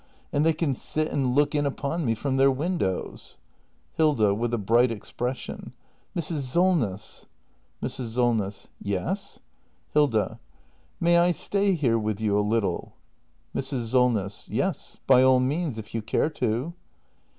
And they can sit and look in upon me from their windows. Hilda. [With a bright expression.] Mrs. Solness! Mrs. Solness. Yes! Hilda. May I stay here with you a little? Mrs. Solness. Yes, by all means, if you care to.